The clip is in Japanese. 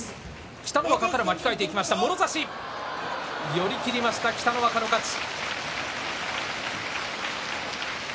寄り切りました北の若の勝ち。